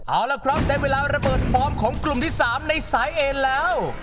เอาละครับได้เวลาระเบิดฟอร์มของกลุ่มที่๓ในสายเอนแล้ว